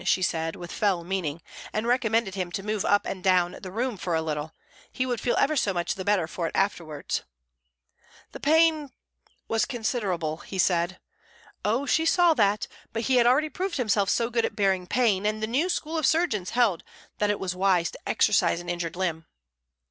she said, with fell meaning, and recommended him to move up and down the room for a little; he would feel ever so much the better for it afterwards. The pain was considerable, he said. Oh, she saw that, but he had already proved himself so good at bearing pain, and the new school of surgeons held that it was wise to exercise an injured limb.